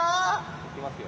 いきますよ。